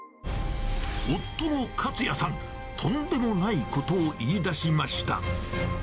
夫の勝也さん、とんでもないことを言いだしました。